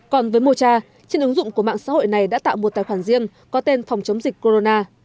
còn với mocha trên ứng dụng của mạng xã hội này đã tạo một tài khoản riêng có tên phòng chống dịch corona